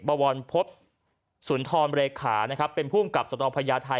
บะวอนพบศูนย์ธรรมเลขานะครับเป็นผู้กลับสนองพญาไทย